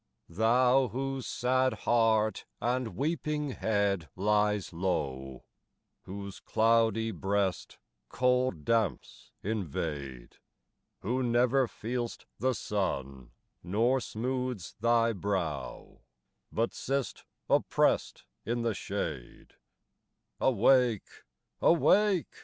Thou, whose sad heart and weeping head lyes low, Whose cloudy brest cold clamps invade, Who never feel'st the sun nor smooth's thy brow, But sitt'st oppressed in the shade, Awake ! Awake